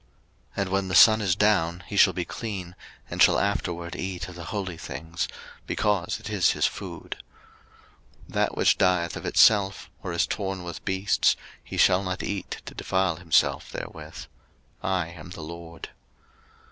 03:022:007 And when the sun is down, he shall be clean, and shall afterward eat of the holy things; because it is his food. 03:022:008 That which dieth of itself, or is torn with beasts, he shall not eat to defile himself therewith; I am the LORD.